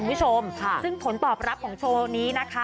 คุณผู้ชมค่ะซึ่งผลตอบรับของโชว์นี้นะคะ